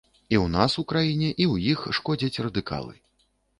І ў нас у краіне, і ў іх шкодзяць радыкалы.